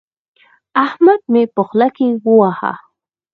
احمد مې په خوله کې وواهه.